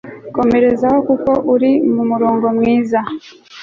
komerezaho kuko uri mu murongo mwiza